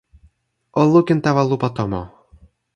o lukin tawa lupa tomo.